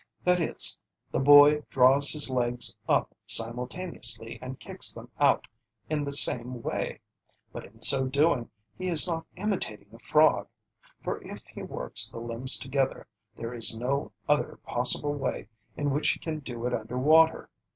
That is, the boy draws his legs up simultaneously and kicks them out in the same way, but in so doing he is not imitating a frog, for if he works the limbs together there is no other possible way in which he can do it under water.